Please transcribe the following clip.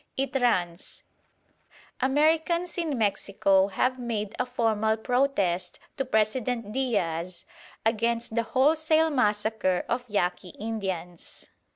It runs: "Americans in Mexico have made a formal protest to President Diaz against the wholesale massacre of Yaqui Indians.